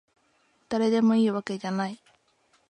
だれでもいいわけじゃない